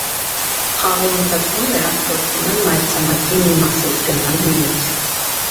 Խաղի ընթացքում նրանք փորձում են մայրցամաքի մի մասից գնալ մյուսը։